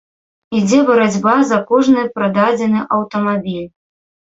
Ідзе барацьба за кожны прададзены аўтамабіль.